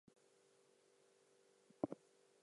The main languages spoken are Tagalog, Chavacano and English.